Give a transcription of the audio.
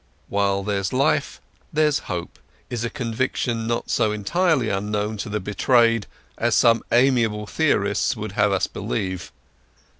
While there's life there's hope is a conviction not so entirely unknown to the "betrayed" as some amiable theorists would have us believe.